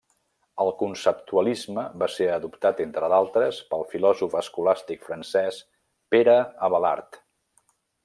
El conceptualisme va ser adoptat, entre d'altres, pel filòsof escolàstic francès Pere Abelard.